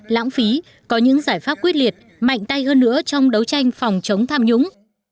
lãng phí có những giải pháp quyết liệt mạnh tay hơn nữa trong đấu tranh phòng chống tham nhũng